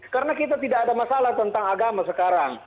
karena kita tidak ada masalah tentang agama sekarang